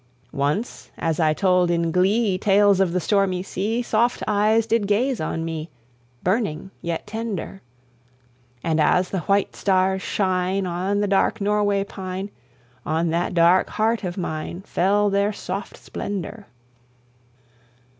"Once as I told in glee Tales of the stormy sea, Soft eyes did gaze on me, Burning yet tender; And as the white stars shine On the dark Norway pine, On that dark heart of mine Fell their soft splendour.